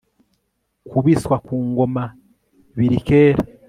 kubiswa ku ngoma biri kera